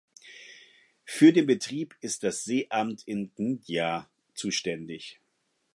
Für den Betrieb ist das Seeamt in Gdynia zuständig.